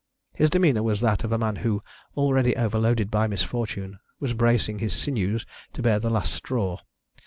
His demeanour was that of a man who, already overloaded by misfortune, was bracing his sinews to bear the last straw.